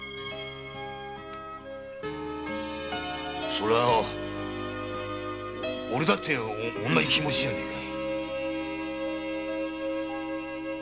そりゃおれだって同じ気持ちじゃねえか。